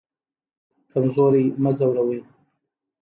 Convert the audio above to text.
کمزوری مه ځوروئ